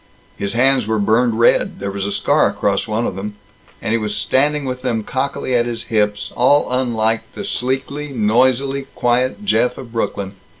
His hands were burned red; there was a scar across one of them; and he was standing with them cockily at his hips, all unlike the sleekly, noisily quiet Jeff of Brooklyn.